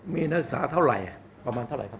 มีนักศึกษาอยู่ในนักศึกษาเท่าไหร่ครับ